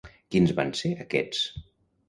Quins van ser aquests?